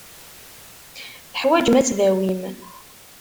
Teḥwajem ad tdawim.